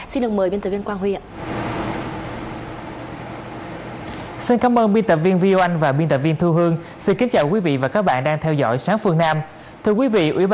sẽ đề cập đến vấn vấn vấn đề này mời quý vị và các bạn cùng theo dõi